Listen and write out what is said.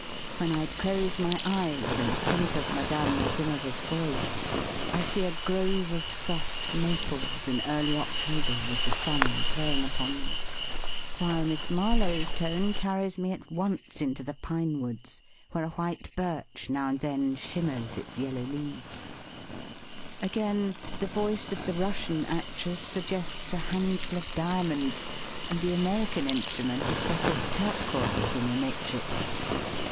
When I close my eyes and think of Madame Nazimova's voice, I / see a grove of soft maples in early October I with the sun playing upon them ; while Miss Marlowe's tone carries me at once into the pine woods, where a white birch now and then shimmers its yellow leaves. Again, 53 THE SPEAKING VOICE the voice of the Russian actress suggests a handful of diamonds, and the American in strument a set of turquoise in the matrix.